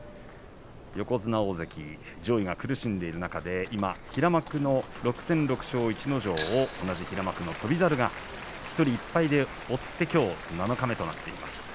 横綱、大関上位が苦しんでいる中で平幕の６戦６勝、逸ノ城と同じ平幕の翔猿が１敗で追って七日目となっています。